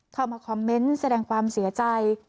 เข้ามาคอมเมนต์แสดงความเสียใจ